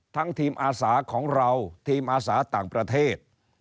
ทีมอาสาของเราทีมอาสาต่างประเทศ